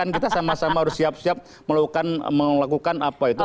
kita sama sama harus siap siap melakukan apa itu